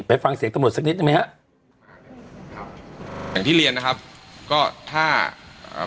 ไปฟังเสียงต่อหมดสักนิดนะครับครับอย่างที่เรียนนะครับก็ถ้าอ่า